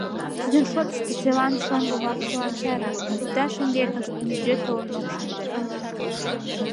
Тидын шотышто селан шоҥго-влакшылан сайрак: вӱта шеҥгекышт нигӧ толын ок шынде.